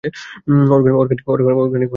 Organic farming শুরু করব আমরা।